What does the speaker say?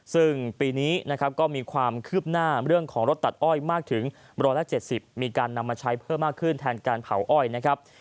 ซึ่งปีนี้นะครับก็มีความคืบหน้าเรื่องของรถตัดอ้อยมากถึง๑๗๐มีการนำมาใช้เพิ่มมากขึ้นแทนการเผาอ้อยนะครับ